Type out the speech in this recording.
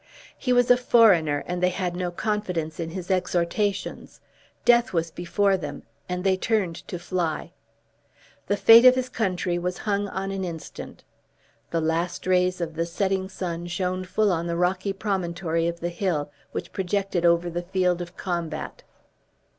He was a foreigner, and they had no confidence in his exhortations; death was before them, and they turned to fly. The fate of his country was hung on an instant. The last rays of the setting sun shone full on the rocky promontory of the hill which projected over the field of combat.